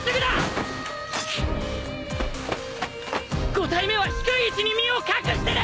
５体目は低い位置に身を隠してる！